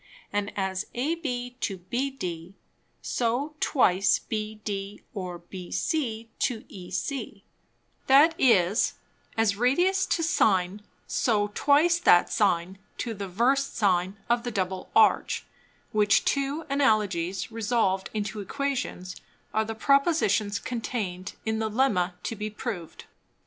And as AB to BD, so twice BD or BC to EC, that is, as Radius to Sine, so twice that Sine, to the Versed Sine of the double Arch; which two Analogies resolved into Equations, are the Propositions contained in the Lemma to be proved.